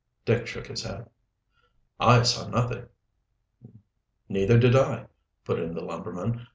Dick shook his head. "I saw nothing." "Neither did I," put in the lumberman.